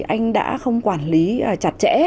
anh đã không quản lý chặt chẽ